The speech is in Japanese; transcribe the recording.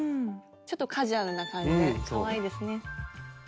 ちょっとカジュアルな感じでかわいいですね。